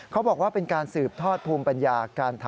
เขาบอกว่าเป็นการสืบทอดภูมิปัญญาการทำเครื่องสังคโลก